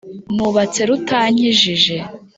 nubatse rutankijije,